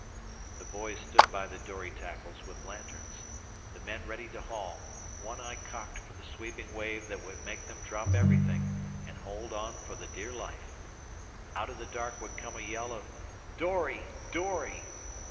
The boys stood by the dory tackles with lanterns, the men ready to haul, one eye cocked for the sweeping wave that would make them drop everything and hold on for dear life. Out of the dark would come a yell of "Dory, dory!"